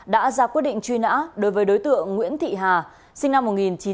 đã ra quy định truy nã đối với đối tượng nguyễn thị hà sinh năm một nghìn chín trăm năm mươi tám